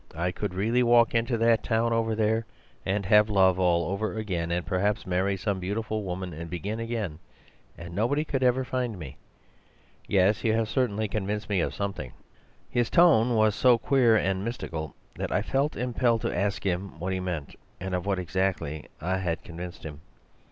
I could really walk into that town over there and have love all over again, and perhaps marry some beautiful woman and begin again, and nobody could ever find me. Yes, you have certainly convinced me of something.' "His tone was so queer and mystical that I felt impelled to ask him what he meant, and of what exactly I had convinced him.